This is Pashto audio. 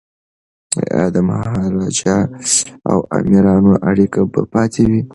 ایا د مهاراجا او امیرانو اړیکي به پاتې وي؟